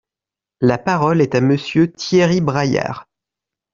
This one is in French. La parole est à Monsieur Thierry Braillard.